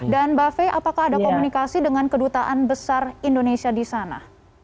dan mbak fik apakah ada komunikasi dengan kedutaan besar indonesia di sana